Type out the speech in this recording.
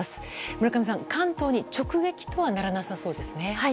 村上さん、関東に直撃とはならなそうですね。